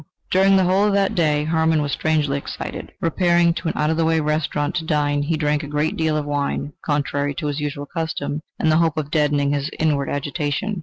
During the whole of that day, Hermann was strangely excited. Repairing to an out of the way restaurant to dine, he drank a great deal of wine, contrary to his usual custom, in the hope of deadening his inward agitation.